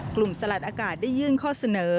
สลัดอากาศได้ยื่นข้อเสนอ